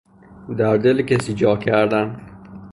در دل کسی جا کردن